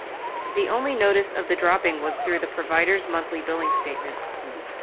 The only notice of the dropping was through the provider's monthly billing statement.